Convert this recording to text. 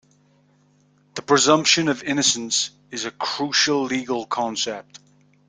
The presumption of innocence is a crucial legal concept.